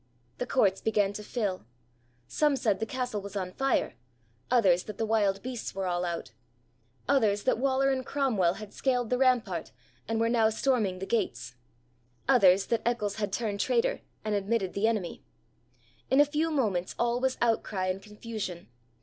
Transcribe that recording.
The courts began to fill. Some said the castle was on fire; others, that the wild beasts were all out; others, that Waller and Cromwell had scaled the rampart, and were now storming the gates; others, that Eccles had turned traitor and admitted the enemy. In a few moments all was outcry and confusion.